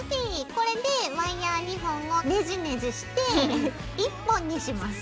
これでワイヤー２本をネジネジして１本にします。